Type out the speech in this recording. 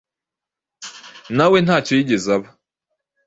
na we ntacyo yigeze aba.